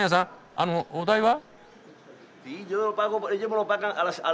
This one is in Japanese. あのお代は？